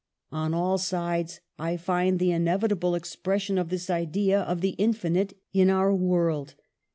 "On all sides I find the inevitable expression of this idea of the infinite in our world.